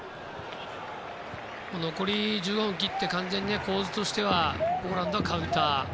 残り１５分切って完全に構図としてはポーランドはカウンター。